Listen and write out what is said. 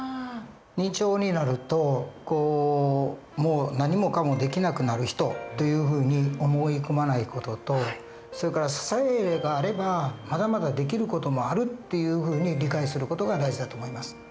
認知症になるともう何もかもできなくなる人というふうに思い込まない事とそれから支えがあればまだまだできる事もあるっていうふうに理解する事が大事だと思います。